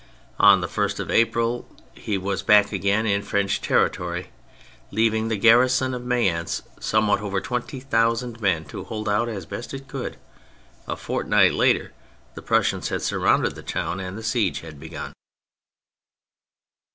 On the first of April he was back again in French territory, leaving the garrison of Mayence, somewhat over twenty thousand men, to hold out as best it could; a fortnight later the Prussians had surrounded the town and the siege had begun.